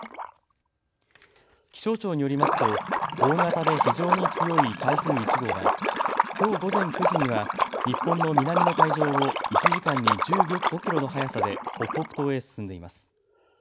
気象庁によりますと大型で非常に強い台風１号はきょう午前９時には日本の南の海上を１時間に１５キロの速さで北北東へ進んでいます。